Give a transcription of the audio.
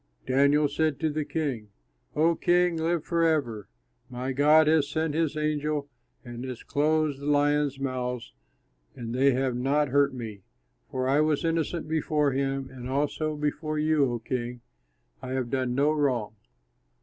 Daniel said to the king, "O king, live forever. My God has sent his angel and has closed the lions' mouths, and they have not hurt me, for I was innocent before him; and also before you, O king, I have done no wrong."